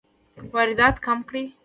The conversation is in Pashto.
واردات کم کړئ